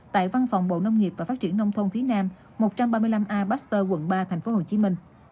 tại văn phòng bộ nông nghiệp và phát triển nông thôn phía nam một trăm ba mươi năm a baxter quận ba tp hcm